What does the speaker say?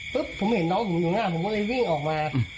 ผมเห็นน้องผมอยู่หน้าผมก็เลยวิ่งออกมา